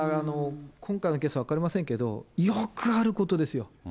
今回のケース分かりませんけど、よくあることですよ。